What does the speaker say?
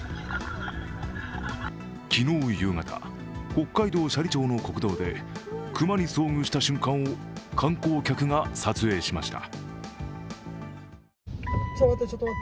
昨日夕方、北海道斜里町の国道で熊に遭遇した瞬間を観光客が撮影しました。